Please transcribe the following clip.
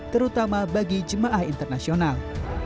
terutama bagi jemaah internasional